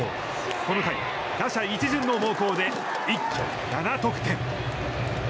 この回打者一巡の猛攻で一挙７得点。